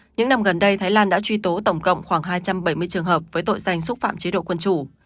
những năm gần đây thái lan đã truy tố tổng cộng khoảng hai trăm bảy mươi trường hợp với tội danh xúc phạm chế độ quân chủ